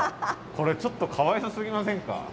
これちょっとかわいそうすぎませんか。